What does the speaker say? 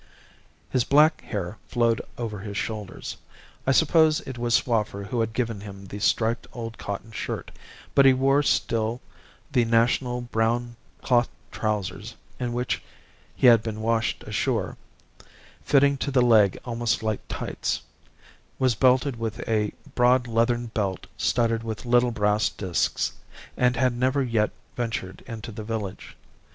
"His black hair flowed over his shoulders. I suppose it was Swaffer who had given him the striped old cotton shirt; but he wore still the national brown cloth trousers (in which he had been washed ashore) fitting to the leg almost like tights; was belted with a broad leathern belt studded with little brass discs; and had never yet ventured into the village.